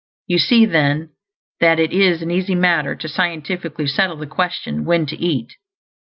You see, then, that it is an easy matter to scientifically settle the question when to eat.